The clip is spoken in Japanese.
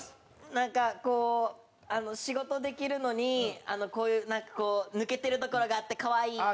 なんかこう仕事できるのにこういうなんかこう抜けてるところがあって。